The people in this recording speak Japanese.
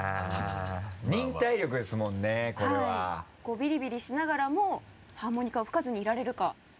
ビリビリしながらもハーモニカを吹かずにいられるか。